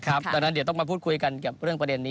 ดังนั้นเดี๋ยวต้องมาพูดคุยกันกับเรื่องประเด็นนี้